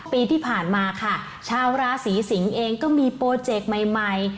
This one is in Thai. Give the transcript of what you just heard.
ปีที่ผ่านมาค่ะชาวราศีสิงศ์เองก็มีโปรเจกต์ใหม่